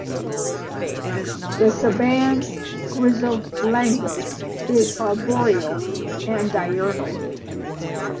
The Saban grizzled langur is arboreal and diurnal.